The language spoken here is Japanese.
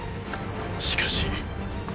しかし。